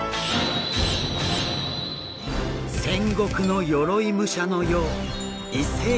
戦国の鎧武者のよう。